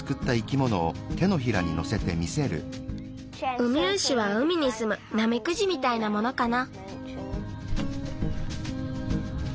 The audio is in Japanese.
ウミウシは海にすむナメクジみたいなものかな。